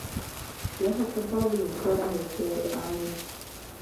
Jeho fotbalovým vzorem je Thierry Henry.